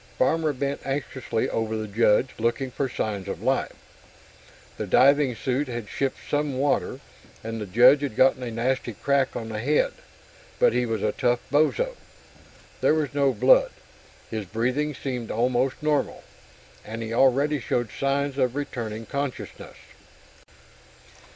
Farmer bent anxiously over the Judge, looking for signs of life. The diving suit had shipped some water, and the Judge had gotten a nasty crack on the head but he was a tough bozo. There was no blood, his breathing seemed almost normal, and he already showed signs of returning consciousness.